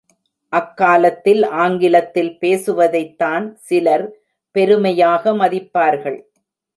அக்காலத்தில் ஆங்கிலத்தில் பேசுவதைத்தான் சிலர் பெருமையாக மதிப்பார்கள்.